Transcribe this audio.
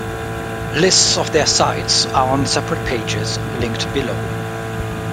Lists of their sites are on separate pages, linked below.